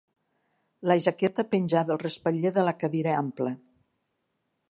La jaqueta penjava al respatller de la cadira ampla.